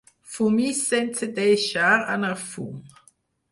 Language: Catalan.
Fumis sense deixar anar fum.